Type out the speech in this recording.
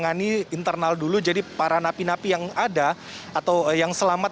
kebakaran di lapas di karnal dulu jadi para napi napi yang ada atau yang selamat